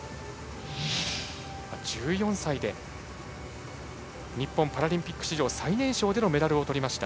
１４歳で日本パラリンピック史上最年少でのメダルをとりました。